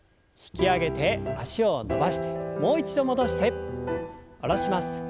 引き上げて脚を伸ばしてもう一度戻して下ろします。